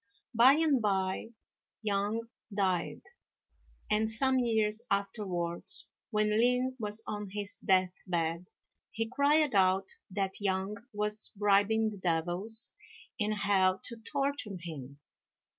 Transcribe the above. By and by Yang died: and some years afterwards when Lien was on his death bed, he cried out that Yang was bribing the devils in hell to torture him.